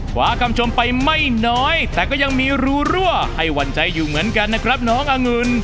ความชมไปไม่น้อยแต่ก็ยังมีรูรั่วให้หวั่นใจอยู่เหมือนกันนะครับน้ององุ่น